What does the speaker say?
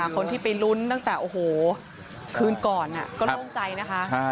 คนที่ไปรุ้นตั้งแต่วันนั้นก็ลงใจนะคะ